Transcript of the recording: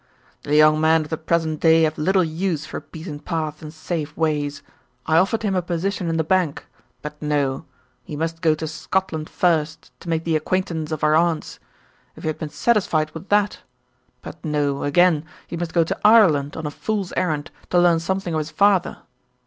"The young men of the present day have little use for beaten paths and safe ways. I offered him a position in the bank, but no he must go to Scotland first to make the acquaintance of our aunts. If he had been satisfied with that! But no, again, he must go to Ireland on a fool's errand to learn something of his father."